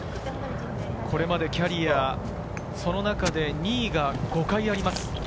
これまでキャリアの中で２位が５回あります。